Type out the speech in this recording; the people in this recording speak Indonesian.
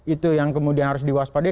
itu yang kemudian harus diwaspadi